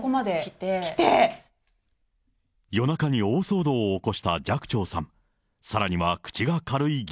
夜中に大騒動を起こした寂聴さん。